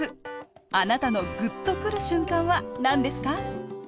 あなたのグッとくる瞬間はなんですか？